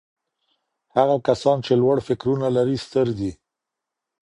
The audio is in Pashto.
هغه کسان چي لوړ فکرونه لري ستر دي.